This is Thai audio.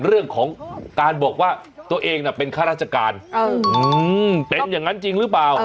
เรื่องของการบอกว่าตัวเองเป็นข้าราชการเป็นอย่างนั้นจริงหรือเปล่า